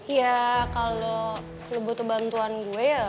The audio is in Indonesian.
ya kalau lo butuh bantuan gue ya